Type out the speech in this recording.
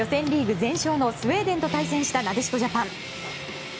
全勝のスウェーデンと対戦したなでしこジャパン。